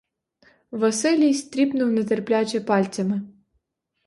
Василій стріпнув нетерпляче пальцями.